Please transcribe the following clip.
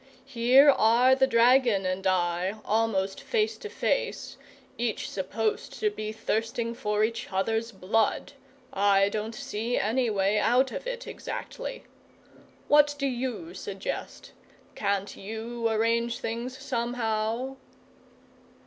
Here are the dragon and I, almost face to face, each supposed to be thirsting for each other's blood. I don't see any way out of it, exactly. What do you suggest? Can't you arrange things, somehow?"